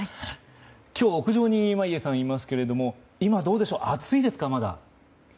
今日、屋上に眞家さんがいますが今どうでしょう、暑いですか？